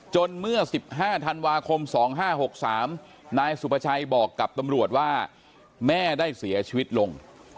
เมื่อ๑๕ธันวาคม๒๕๖๓นายสุภาชัยบอกกับตำรวจว่าแม่ได้เสียชีวิตลง